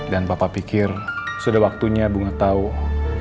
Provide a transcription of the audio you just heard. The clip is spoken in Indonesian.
dan papa pikir sudah waktunya bunga tahu siapa dirinya sebenarnya